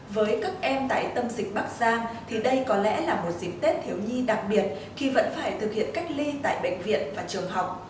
với các em tại tâm dịch bắc giang thì đây có lẽ là một dịp tết thiếu nhi đặc biệt khi vẫn phải thực hiện cách ly tại bệnh viện và trường học